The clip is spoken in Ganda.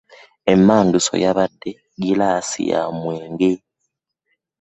Emmanduso yabadde ggiraasi ya mwenge.